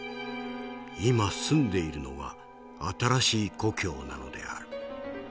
今住んでいるのは新しい故郷なのである。